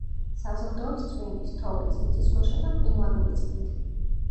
საზრდოობს წვიმის, თოვლის, მიწისქვეშა და მყინვარული წყლით.